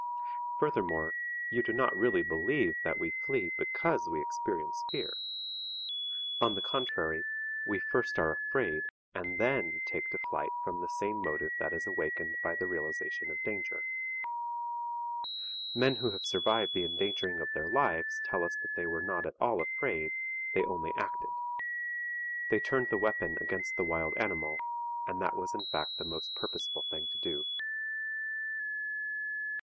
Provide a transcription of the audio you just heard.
Furthermore, you do not really believe that we flee because we experience fear? On the contrary, we first are afraid and then take to flight from the same motive that is awakened by the realization of danger. Men who have survived the endangering of their lives tell us that they were not at all afraid, they only acted. They turned the weapon against the wild animal, and that was in fact the most purposeful thing to do.